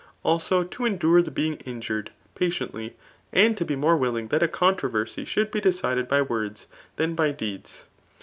Also to endure the being mjured, patiently; and to be more willing that a controversy should be decided by words than by deeds.